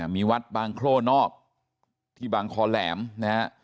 มีวัดบางโคร่นอกที่บางคอแหลมนะฮะ